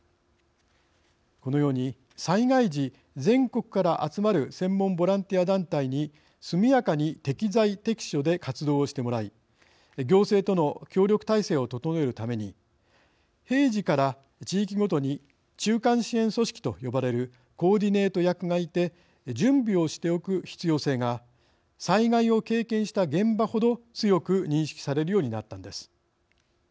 このように災害時全国から集まる専門ボランティア団体に速やかに適材適所で活動してもらい行政との協力態勢を整えるために平時から地域ごとに中間支援組織と呼ばれるコーディネート役がいて準備をしておく必要性が災害を経験した現場ほど強く認識されるようになったのです。